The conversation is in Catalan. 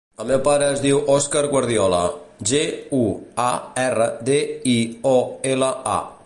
El meu pare es diu Òscar Guardiola: ge, u, a, erra, de, i, o, ela, a.